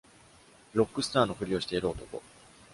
ロックスターのふりをしている男。